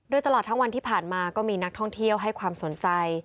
โดยตลอดทั้งวันที่ผ่านมาก็มีนักท่องเที่ยวให้ความสนใจ